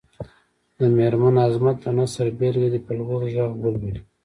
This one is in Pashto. د مېرمن عظمت د نثر بېلګه دې په لوړ غږ ولولي.